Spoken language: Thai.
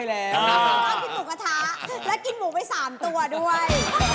แล้วกินหมูไปสามตัวด้วย